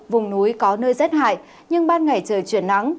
vùng núi có nơi rét hại nhưng ban ngày trời chuyển nắng